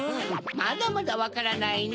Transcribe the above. まだまだわからないネ。